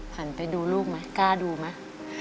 หันไปดูลูกไหมกล้าดูไหม